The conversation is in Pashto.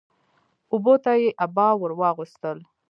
اوبو ته يې عبا ور واغوستل